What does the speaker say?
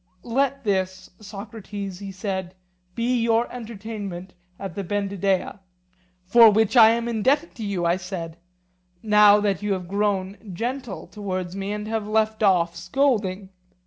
Let this, Socrates, he said, be your entertainment at the Bendidea. For which I am indebted to you, I said, now that you have grown gentle towards me and have left off scolding.